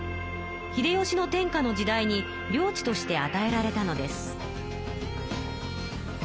秀吉の天下の時代に領地としてあたえられたのです。